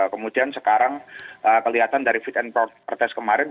kemudian sekarang kelihatan dari fit and prok partes kemarin